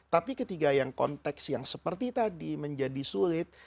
tapi ketika yang konteks yang seperti tadi menjadi sulit